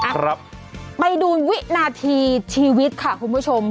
ครับไปดูวินาทีชีวิตค่ะคุณผู้ชม